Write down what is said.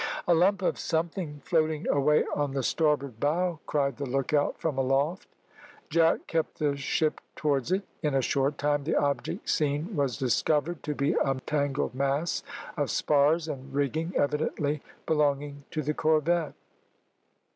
"A lump of something floating away on the starboard bow," cried the look out from aloft. Jack kept the ship towards it. In a short time the object seen was discovered to be a tangled mass of spars and rigging, evidently belonging to the corvette.